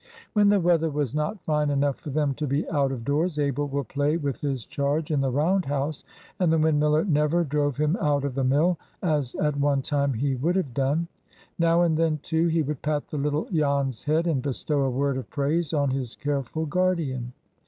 When the weather was not fine enough for them to be out of doors, Abel would play with his charge in the round house, and the windmiller never drove him out of the mill, as at one time he would have done. Now and then, too, he would pat the little Jan's head, and bestow a word of praise on his careful guardian.